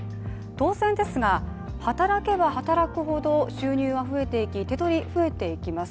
当然ですが、働けば働くほど収入は増えていき手取り、増えていきます。